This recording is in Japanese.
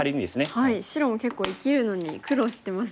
これは白も結構生きるのに苦労してますね。